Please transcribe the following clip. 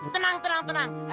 tenang tenang tenang